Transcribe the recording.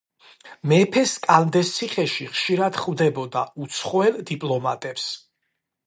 მეფე სკანდეს ციხეში ხშირად ხვდებოდა უცხოელ დიპლომატებს.